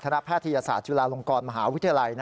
แพทยศาสตร์จุฬาลงกรมหาวิทยาลัย